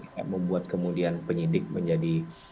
dan juga membuat kemudian penyidik menjadi